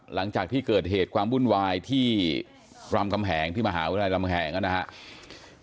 หลังจากที่เกิดเหตุความวุ่นวายที่รามคำแหงที่มหาวิทยาลัยลำแหงนะครับ